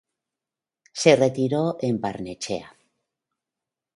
Se retiró en Barnechea.